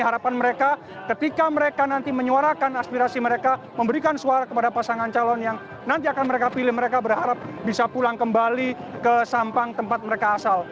harapan mereka ketika mereka nanti menyuarakan aspirasi mereka memberikan suara kepada pasangan calon yang nanti akan mereka pilih mereka berharap bisa pulang kembali ke sampang tempat mereka asal